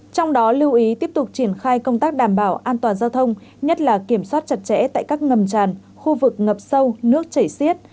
trong đó lưu ý tiếp tục triển khai công tác đảm bảo an toàn giao thông nhất là kiểm soát chặt chẽ tại các ngầm tràn khu vực ngập sâu nước chảy xiết